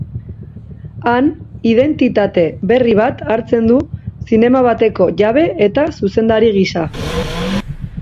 Han, identitate berri bat hartzen du zinema bateko jabe eta zuzendari gisa.